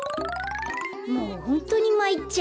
もうホントにまいっちゃうよ。